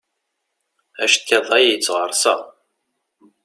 Aceṭṭiḍ-a yettɣersa.